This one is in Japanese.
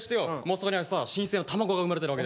そこにはさ新鮮な卵が生まれてるわけ。